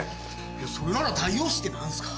いやそれなら大洋紙って何ですか？